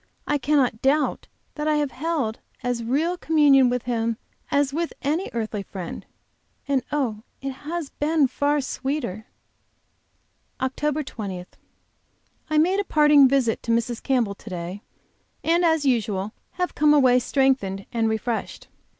I cannot doubt that I have held as real communion with Him as with any earthly friend and oh, it has been far sweeter! OCT. 20. I made a parting visit to Mrs. Campbell to day, and, as usual, have come away strengthened and refreshed.